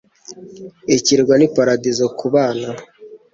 Ikirwa ni paradizo kubana.